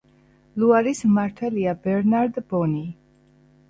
ლუარის მმართველია ბერნარდ ბონი.